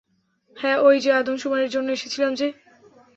হ্যাঁঁ, ঐযে আদমশুমারির জন্য এসেছিলাম যে।